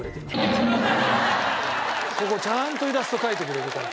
ここちゃんとイラスト描いてくれるから。